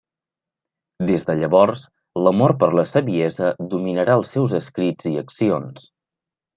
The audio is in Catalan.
Des de llavors, l'amor per la saviesa dominarà els seus escrits i accions.